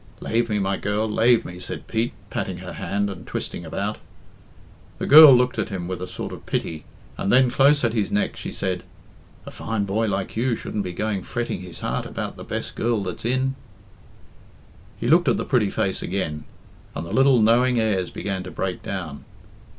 "Lave me, my girl; lave me," said Pete, patting her hand, and twisting about. The girl looked at him with a sort of pity, and then close at his neck she said, "A fine boy like you shouldn't be going fretting his heart about the best girl that's in." He looked at the pretty face again, and the little knowing airs began to break down.